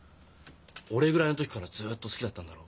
俺ぐらいの時からずっと好きだったんだろ？